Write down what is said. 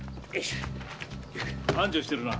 繁盛してるな。